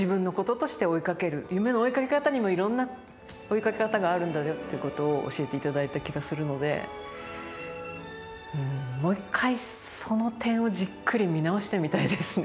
夢の追いかけ方にもいろんな追いかけ方があるんだよっていうことを教えていただいた気がするのでうんもう一回その点をじっくり見直してみたいですね